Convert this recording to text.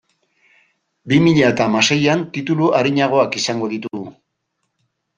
Bi mila eta hamaseian titulu arinagoak izango ditugu.